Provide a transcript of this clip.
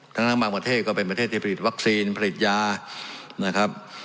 ทั้งบางประเทศก็เป็นประเทศที่ผลิตวัคซีนผลิตยานะครับ